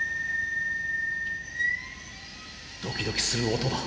ドキドキする音だ。